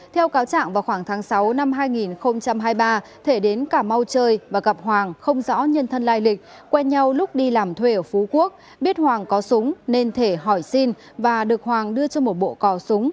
theo cáo trạng vào khoảng tháng sáu năm hai nghìn hai mươi ba thể đến cảm mau chơi và gặp hoàng không rõ nhân thân lai lịch quen nhau lúc đi làm thuê ở phú quốc biết hoàng có súng nên thể hỏi xin và được hoàng đưa cho một bộ cò súng